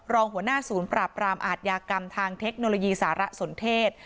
รองหัวหน้าศูนย์ปราบรามอาทยากรรมทางเทคโนโลยีสารสนเทศ